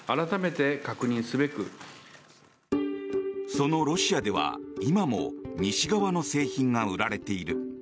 そのロシアでは今も西側の製品が売られている。